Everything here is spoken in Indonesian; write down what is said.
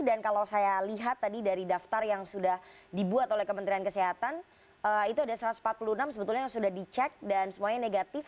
dan kalau saya lihat tadi dari daftar yang sudah dibuat oleh kementerian kesehatan itu ada satu ratus empat puluh enam sebetulnya yang sudah dicek dan semuanya negatif